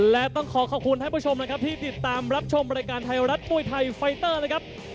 และต้องขอขอบคุณท่านผู้ชมนะครับที่ติดตามรับชมรายการไทยรัฐมวยไทยไฟเตอร์นะครับ